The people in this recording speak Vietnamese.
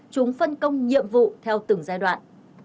chúng phân công nhiệm vụ theo từng giai đoạn